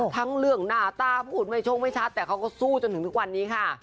ทั้งเรื่องหน้าตาพูดไม่ชกไม่ชัดแต่เขาก็สู้จนถึงทุกวันนี้ค่ะ